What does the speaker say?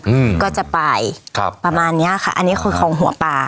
อืมก็จะไปครับประมาณเนี้ยค่ะอันนี้คือของหัวป่า